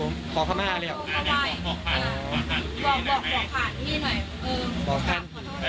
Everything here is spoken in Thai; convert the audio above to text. ขอโทษไยยรีกัน